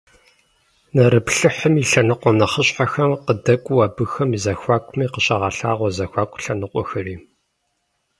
Нэрыплъыхьым и лъэныкъуэ нэхъыщхьэхэм къыдэкӀуэу абыхэм я зэхуакуми къыщагъэлъагъуэ зэхуаку лъэныкъуэхэри.